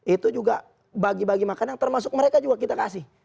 itu juga bagi bagi makanan termasuk mereka juga kita kasih